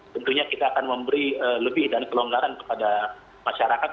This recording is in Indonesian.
tentunya kita akan memberi lebih dan kelonggaran kepada masyarakat